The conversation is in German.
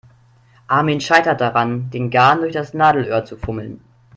Armin scheitert daran, den Garn durch das Nadelöhr zu fummeln.